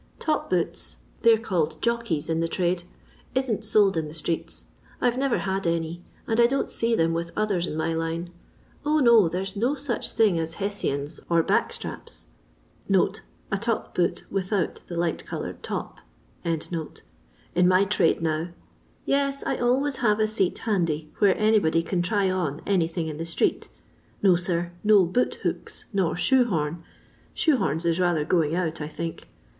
Top boots (they 're called ' Jockeys ' in the trade) isn't sold in the streets. I 've never had any, and I don't see them with others in my line. 0 no, there *s no such thing as Hessians or back straps (a top boot without the light coloured top) in my trade now. Tes, I always have a seat handy where anybody can try on anything in the street ; no, sir, no boot hooks nor shoe horn ; shoe horns is rather going out, I think.